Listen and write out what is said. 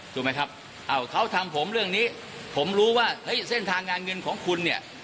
ถูกไหมครับอ้าวเขาทำผมเรื่องนี้ผมรู้ว่าเฮ้ยเส้นทางงานเงินของคุณเนี่ย